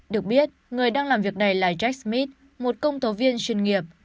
được biết người đang làm việc này là jack smith một công tố viên chuyên nghiệp